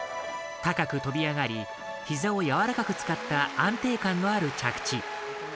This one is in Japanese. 高く跳び上がりひざを柔らかく使った安定感のある着地。